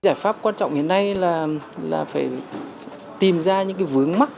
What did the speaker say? giải pháp quan trọng hiện nay là phải tìm ra những vướng mắc